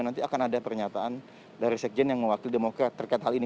nanti akan ada pernyataan dari sekjen yang mewakili demokrat terkait hal ini